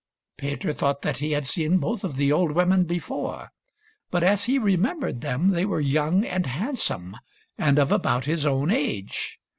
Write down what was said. Peter thought that he had seen both of the old women before — but as he remembered them they were young and handsome and of about his own age.